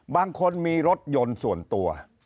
บางคนมีรถยนต์ส่วนตัว